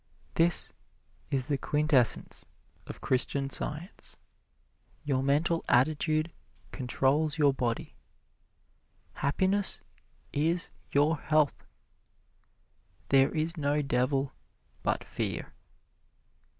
This is the quintessence of Christian Science. Your mental attitude controls your body. Happiness is your health. There is no devil but fear.